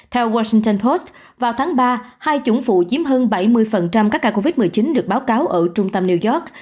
theo washington post vào tháng ba hai chủng phụ chiếm hơn bảy mươi các ca covid một mươi chín được báo cáo ở trung tâm new york